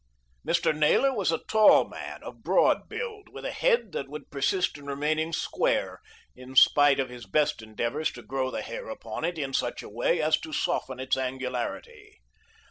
Mr. Naylor was a tall man of broad build, with a head that would persist in remaining square, in spite of his best endeavours to grow the hair upon it in such a way as to soften its angularity.